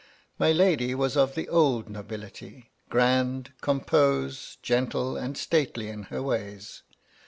My lady was of the old nobility, — grand, composed, gentle, and stately in her ways.